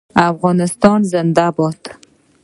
افغانستان زنده باد.